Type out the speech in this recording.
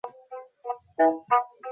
তুমি তো আমারই নাম ভুলিয়াছিলে।